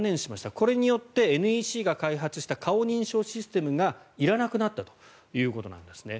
これによって、ＮＥＣが開発した顔認証システムがいらなくなったということなんですね。